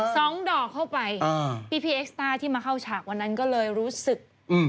สองดอกเข้าไปอ่าพี่พี่เอ็กซ่าที่มาเข้าฉากวันนั้นก็เลยรู้สึกอืม